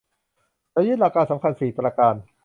จะยึดหลักการสำคัญสี่ประการ